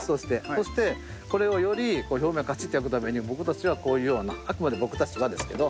そしてこれをより表面をカチッと焼くために僕たちはこういうようなあくまで僕たちはですけど。